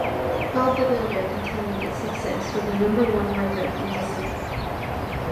Bob the Builder continued its success with the number one record in December.